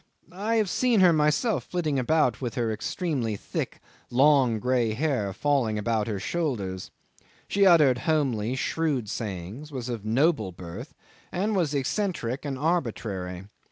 I have seen her myself flitting about with her extremely thick, long, grey hair falling about her shoulders. She uttered homely shrewd sayings, was of noble birth, and was eccentric and arbitrary.